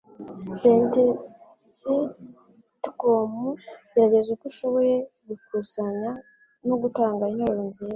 Sentenceictcom gerageza uko ushoboye gukusanya no gutanga interuro nziza